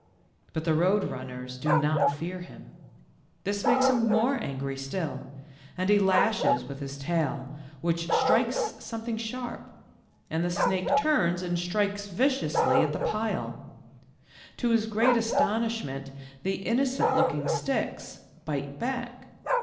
"But the Road Runners do not fear him. THE END OF BLACK LIGHTNING. 93 This makes hioi more angry still, and he lashes with his tail, which strikes something sharp, and the snake turns and strikes viciously at the pile. To his great astonishment the inno cent looking sticks bite back.